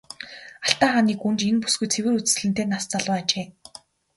Алтан хааны гүнж энэ бүсгүй цэвэр үзэсгэлэнтэй нас залуу ажээ.